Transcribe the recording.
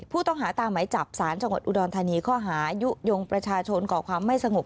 ผู้ต้องหาตามหมายจับสารจังหวัดอุดรธานีข้อหายุโยงประชาชนก่อความไม่สงบ